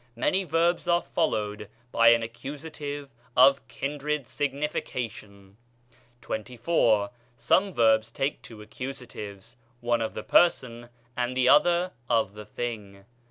Many verbs are followed by an accusative of kindred sig nification. XXIV. Some verbs take two accusatives, one of the person and the other of the thing.